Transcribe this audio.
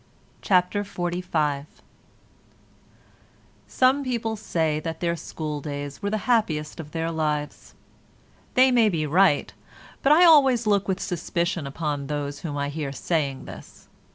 CHAPTER XLV Some people say that their school days were the happiest of their lives. They may be right, but I always look with suspicion upon those whom I hear saying this.